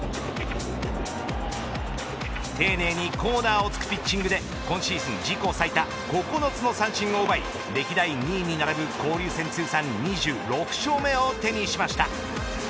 丁寧にコーナーをつくピッチングで今シーズン自己最多９つの三振を奪い歴代２位に並ぶ交流戦通算２６勝目を手にしました。